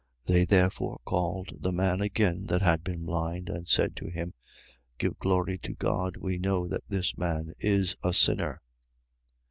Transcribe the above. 9:24. They therefore called the man again that had been blind and said to him: Give glory to God. We know that this man is a sinner.